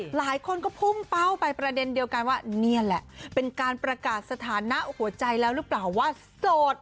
หลายคนก็พุ่งเป้าไปประเด็นเดียวกันว่านี่แหละเป็นการประกาศสถานะหัวใจแล้วหรือเปล่าว่าโสด